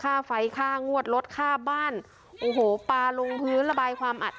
ค่าไฟค่างวดลดค่าบ้านโอ้โหปลาลงพื้นระบายความอัด